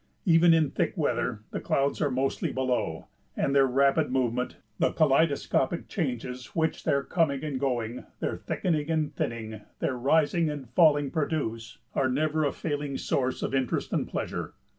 Even in thick weather the clouds are mostly below; and their rapid movement, the kaleidoscopic changes which their coming and going, their thickening and thinning, their rising and falling produce, are a never failing source of interest and pleasure.